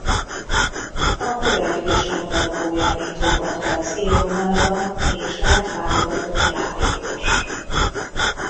A Törekvés labdarúgójaként robbant be az élvonalba és lett válogatott játékos.